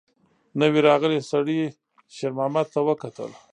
نوي راغلي سړي شېرمحمد ته وکتل.